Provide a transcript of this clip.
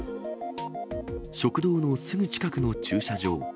食堂のすぐ近くの駐車場。